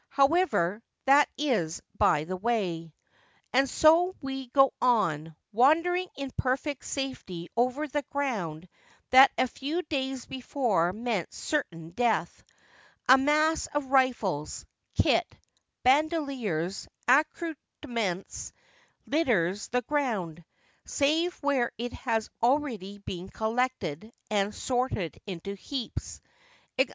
However, that is by the way. And so we go on, wandering in perfect safety over the ground that a few days before meant certain death. A mass of rifles, kit, bandoliers, accoutrements litters the ground, save where it has already been collected and sorted into heaps.